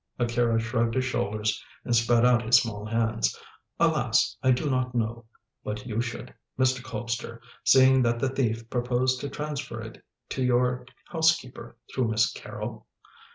Akira shrugged his shoulders and spread out his small hands. "Alas! I do not know. But you should, Mr. Colpster, seeing that the thief proposed to transfer it to your housekeeper through Miss Carrol?"